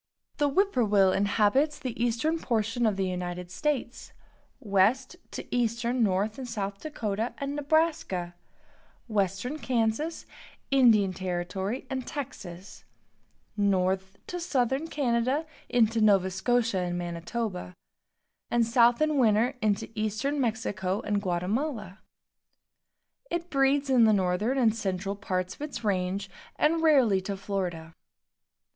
The whippoorwill inhabits the eastern portion of the United States, west to eastern North and South Dakota and Nebraska, western Kansas, Indian Territory and Texas; north to southern Canada, into Nova Scotia and Manitoba; and south in winter into eastern Mexico and Guatemala. It breeds in the northern and central parts of its range, and rarely to Florida.